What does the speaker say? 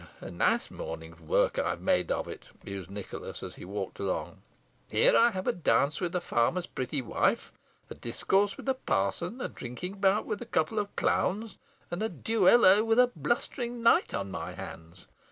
"A nice morning's work I've made of it," mused Nicholas, as he walked along; "here I have a dance with a farmer's pretty wife, a discourse with a parson, a drinking bout with a couple of clowns, and a duello with a blustering knight on my hands.